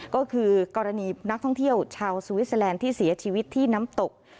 ก็คือกรณีนักท่องเที่ยวชาวสวิสเตอร์แลนด์ที่เสียชีวิตที่น้ำตก